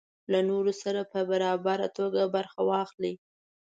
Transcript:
له نورو سره په برابره توګه برخه واخلي.